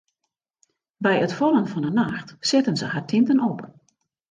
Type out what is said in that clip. By it fallen fan 'e nacht setten se har tinten op.